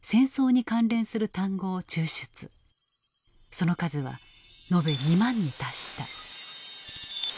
その数は述べ２万に達した。